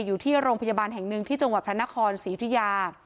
อยู่ที่โรงพยาบาลแห่งหนึ่งที่จังหวัดพระนครศรีอุทิยา